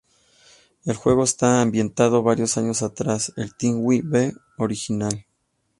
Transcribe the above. El juego está ambientado varios años tras el "TwinBee" original.